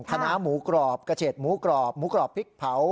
คณะหมูกรอบกระเฉดหมูกรอบหมูกรอบพริกเผา